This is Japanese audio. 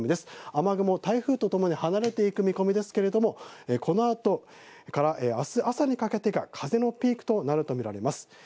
雨雲、台風とともに離れていく見込みですがあす朝にかけてが風のピークになると見られます。